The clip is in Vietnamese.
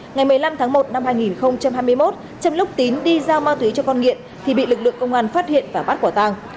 ngày một mươi năm tháng một năm hai nghìn hai mươi một trong lúc tín đi giao ma túy cho con nghiện thì bị lực lượng công an phát hiện và bắt quả tàng